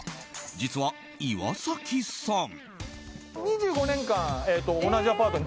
実は、岩崎さん。